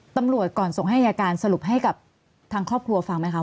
ตำรวจก่อนส่งให้อายการสรุปให้กับทางครอบครัวฟังไหมคะ